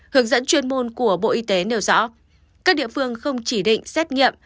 hướng dẫn chuyên môn của bộ y tế nêu rõ các địa phương không chỉ định xét nghiệm